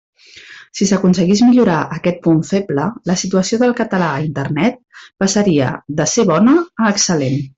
Si s'aconseguís millorar aquest punt feble, la situació del català a Internet passaria de ser bona a excel·lent.